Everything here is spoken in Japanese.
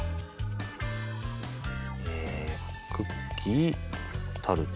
えクッキー・タルト。